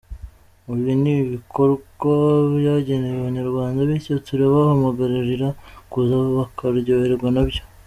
Ibi ni ibikorwa byagenewe abanyarwanda bityo turabahamagarira kuza bakaryoherwa na byo.